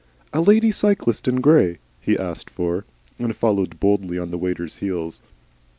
"A lady cyclist in grey," he asked for, and followed boldly on the waiter's heels.